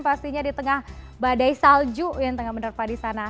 pastinya di tengah badai salju yang tengah menerpa di sana